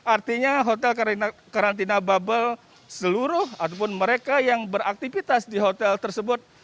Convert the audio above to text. artinya hotel karantina bubble seluruh ataupun mereka yang beraktivitas di hotel tersebut